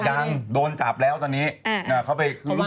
ยังโดนจับแล้วตอนนี้